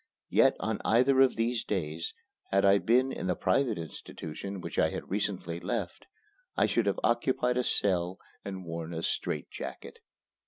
Yet, on either of these days, had I been in the private institution which I had recently left, I should have occupied a cell and worn a strait jacket.